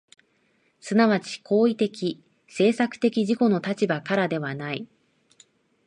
即ち行為的・制作的自己の立場からではない。